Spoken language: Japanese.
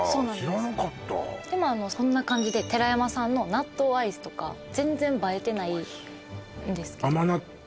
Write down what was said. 知らなかったそんな感じでてらやまさんの納豆アイスとか全然映えてないんですけど